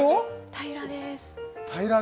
平らでーす。